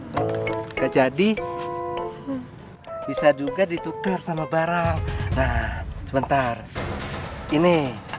tidak jadi bisa juga ditukar sama barang nah sebentar ini